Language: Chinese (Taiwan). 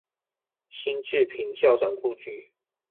辛志平校長故居